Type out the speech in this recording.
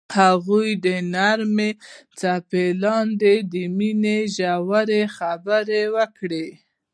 هغوی د نرم څپو لاندې د مینې ژورې خبرې وکړې.